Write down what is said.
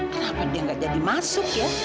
kenapa dia nggak jadi masuk ya